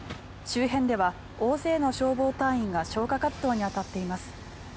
周辺では大勢の消防隊員が消火活動に当たっています。